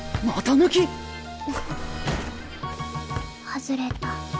外れた。